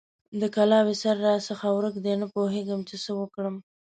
د کلاوې سر راڅخه ورک دی؛ نه پوهېږم چې څه وکړم؟!